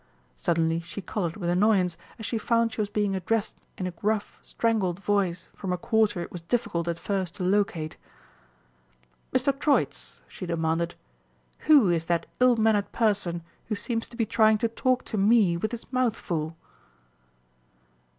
Suddenly she coloured with annoyance as she found she was being addressed in a gruff, strangled voice from a quarter it was difficult at first to locate. "Mr. Troitz," she demanded, "who is that ill mannered person who seems to be trying to talk to Me with his mouth full?"